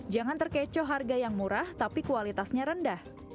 jangan terkecoh harga yang murah tapi kualitasnya rendah